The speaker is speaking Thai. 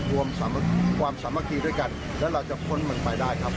ความสามัคคีด้วยกันและเราจะพ้นมันไปได้ครับ